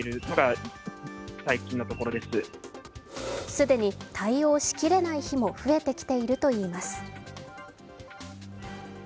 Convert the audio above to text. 既に対応しきれない日も増えてきているといいます。